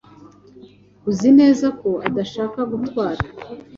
Uzi neza ko udashaka gutwara?